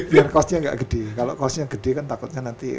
biar costnya gak gede